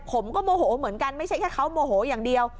โมโหเหมือนกันไม่ใช่แค่เขาโมโหอย่างเดียว